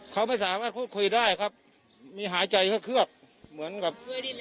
เขาไม่สามารถพูดคุยได้ครับมีหายใจเคลือกเหมือนกับ